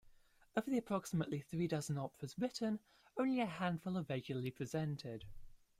Of the approximately three dozen operas written, only a handful are regularly presented.